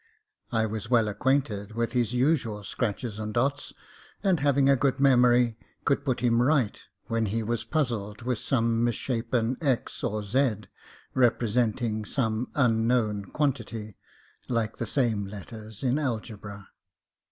I was well acquainted with his usual scratches and dots, and having a good memory, could put him right when he was puzzled with some misshapen x or z, representing some unknown quantity, like the same letters in algebra.